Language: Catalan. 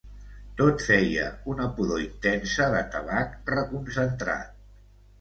Tot feia una pudor intensa de tabac reconcentrat.